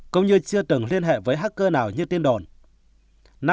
cũng như chưa từng liên hệ với hacker nào như tin đồn